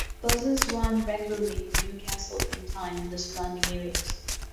Buses run regularly from Newcastle upon Tyne and the surrounding areas.